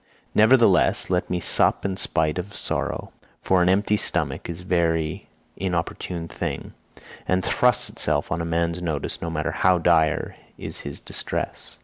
Nevertheless, let me sup in spite of sorrow, for an empty stomach is a very importunate thing, and thrusts itself on a man's notice no matter how dire is his distress.